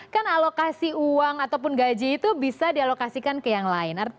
kan alokasi uang ataupun gaji itu bisa dialokasikan ke yang lain